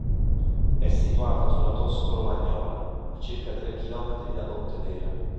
È situata sulla Tosco-Romagnola a circa tre chilometri da Pontedera.